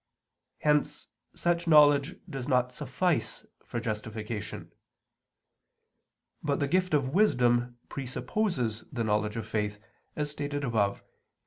Hence such knowledge does not suffice for justification. But the gift of wisdom presupposes the knowledge of faith, as stated above (Q.